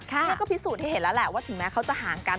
นี่ก็พิสูจน์ให้เห็นแล้วแหละว่าถึงแม้เขาจะห่างกัน